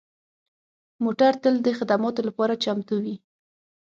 موټر تل د خدماتو لپاره چمتو وي.